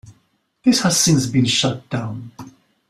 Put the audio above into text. This has since been shut down.